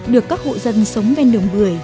được các hộ dân sống bên đường bưởi